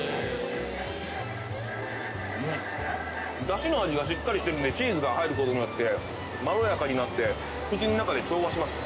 だしの味がしっかりしてるんでチーズが入ることによってまろやかになって口の中で調和します。